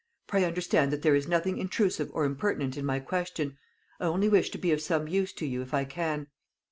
Pray understand that there is nothing intrusive or impertinent in my question. I only wish to be some use to you, if I can."